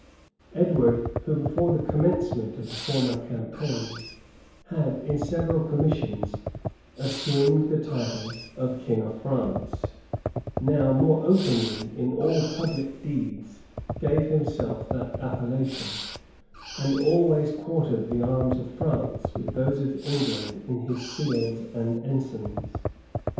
Edward, who, before the commencement of the former campaign, had, in several commissions, assumed the title of king of France, now more openly, in all public deeds, gave himself that appellation, and always quartered the arms of France with those of England in his seals and ensigns.